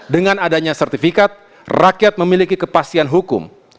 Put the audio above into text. dengan adanya sertifikat rakyat memiliki kepastian hukum